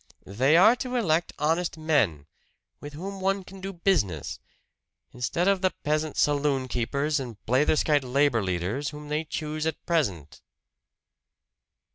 "They are to elect honest men, with whom one can do business instead of the peasant saloon keepers and blatherskite labor leaders whom they choose at present."